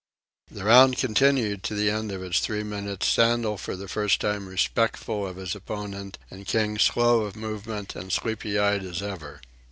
The round continued to the end of its three minutes, Sandel for the first time respectful of his opponent and King slow of movement and sleepy eyed as ever.